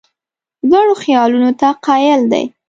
لوړو خیالونو ته قایل دی.